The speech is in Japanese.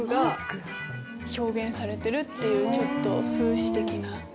表現されてるっていうちょっと風刺的な。